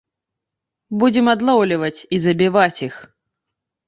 Будзем адлоўліваць і забіваць іх.